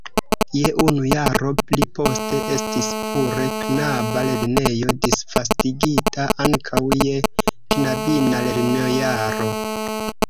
Je unu jaro pli poste estis pure knaba lernejo disvastigita ankaŭ je knabina lernojaro.